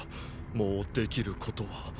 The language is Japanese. もうできることは。